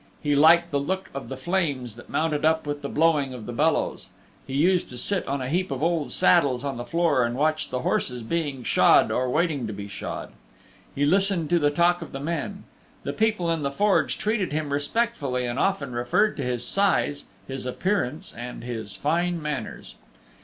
He liked the look of the flames that mounted up with the blowing of the bellows. He used to sit on a heap of old saddles on the floor and watch the horses being shod or waiting to be shod. He listened to the talk of the men. The people in the Forge treated him respectfully and often referred to his size, his appearance and his fine manners.